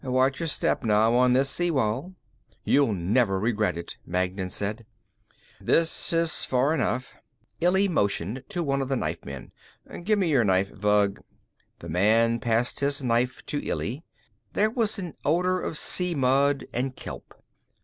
"Watch your step now on this sea wall." "You'll never regret it," Magnan said. "This is far enough," Illy motioned to one of the knife men. "Give me your knife, Vug." The man passed his knife to Illy. There was an odor of sea mud and kelp.